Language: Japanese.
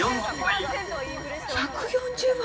１４０倍。